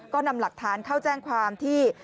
ก็นำหลักฐานเข้าแจ้งความที่